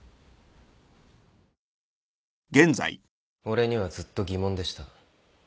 俺にはずっと疑問でした。